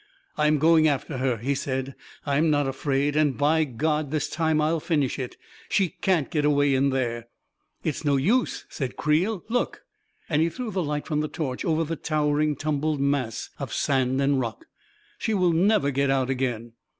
u I'm going after her I " he said. " I f m not afraid ! And by God, this time I'll finish it ! She can't get away in there I "" It's no use," said Creel. "Look!" And he threw the light from the torch over the towering, tumbled mass of sand and rock. " She will never get out again